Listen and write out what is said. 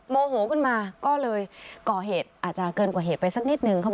โมโหขึ้นมาก็เลยก่อเหตุอาจจะเกินกว่าเหตุไปสักนิดนึง